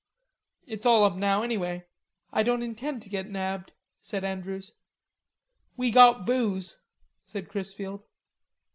"It's all up now anyway. I don't intend to get nabbed," said Andrews. "We got booze," said Chrisfield.